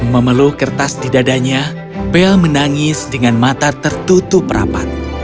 memeluk kertas di dadanya bel menangis dengan mata tertutup rapat